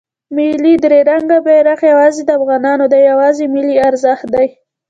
ملی درې رنګه بیرغ یواځې د افغانانو دی او یو ملی ارزښت دی.